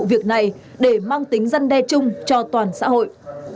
việc này để mang tính dân đe chung cho toàn xã hội